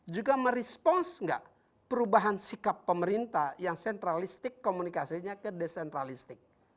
juga merespons nggak perubahan sikap pemerintah yang sentralistik komunikasinya ke desentralistik